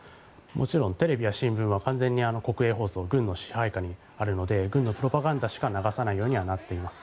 もちろんテレビや新聞は完全に国営放送軍の支配下にあるので軍のプロパガンダしか流さないようにはなっています。